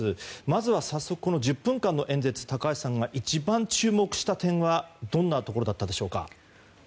まずは早速この１０分間の演説高橋さんが一番注目した点はどんなところだったでしょうか。